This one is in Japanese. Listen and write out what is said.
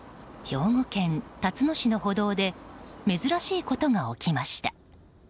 兵庫県たつの市の歩道で珍しいことが起きました。